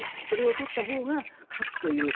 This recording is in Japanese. それを取ったほうが勝つという。